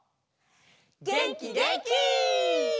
げんきげんき！